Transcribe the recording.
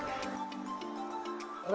tidak ada yang bisa dikira